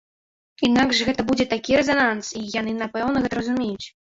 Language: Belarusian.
Інакш гэта будзе такі рэзананс, і яны, напэўна, гэта разумеюць.